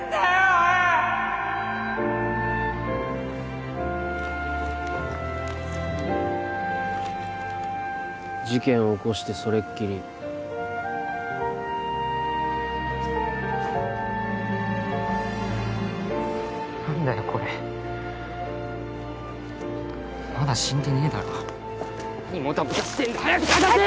おい事件を起こしてそれっきり何だよこれまだ死んでねえだろ何もたもたしてんだ早く捜せよ！